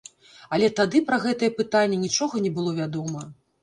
Але тады пра гэтае пытанне нічога не было вядома.